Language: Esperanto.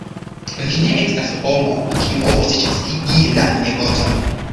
Vi ne estas homo, kiu povos ĉesigi la negocon!